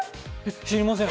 知りません。